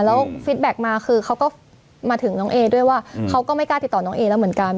แล้วฟิตแบ็คมาคือเขาก็มาถึงน้องเอด้วยว่าเขาก็ไม่กล้าติดต่อน้องเอแล้วเหมือนกัน